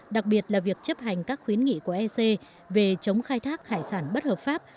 đặc biệt là việc chấp hành các khuyến nghị của ec về chống khai thác hải sản bất hợp pháp